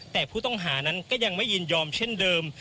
แต่ผู้ต้องหานั้นก็ยังไม่ยินยอมเช่นเดิม